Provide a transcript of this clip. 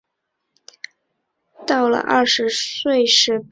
到了二十岁时便离开山中。